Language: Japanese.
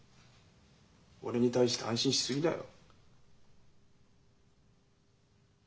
俺に対して安心し過ぎだよ。